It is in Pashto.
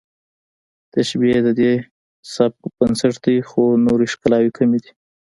تشبیه د دې سبک بنسټ دی خو نورې ښکلاوې کمې دي